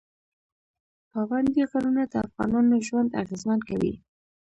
پابندی غرونه د افغانانو ژوند اغېزمن کوي.